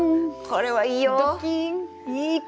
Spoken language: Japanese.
これはいいよ！